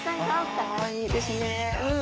ああいいですね。